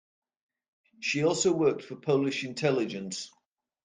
She also worked for Polish intelligence.